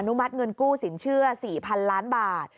มัติเงินกู้สินเชื่อ๔๐๐๐ล้านบาท